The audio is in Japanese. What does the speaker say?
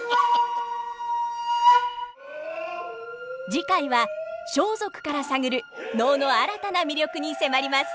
次回は装束から探る能の新たな魅力に迫ります。